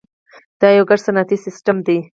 دا یو ګډ صنعتي سیستم دی.